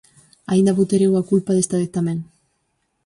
Aínda vou ter eu a culpa desta vez tamén.